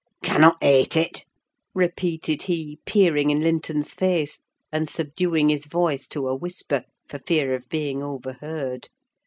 "Cannot ate it?" repeated he, peering in Linton's face, and subduing his voice to a whisper, for fear of being overheard.